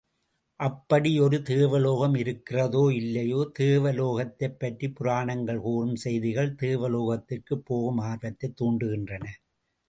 அப்படி ஒரு தேவலோகம் இருக்கிறதோ, இல்லையோ தேவலோகத்தைப் பற்றிப் புராணங்கள் கூறும் செய்திகள் தேவலோகத்திற்குப் போகும் ஆர்வத்தைத் துரண்டுகின்றன.